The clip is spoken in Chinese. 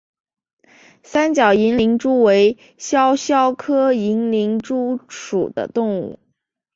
三角银鳞蛛为肖鞘科银鳞蛛属的动物。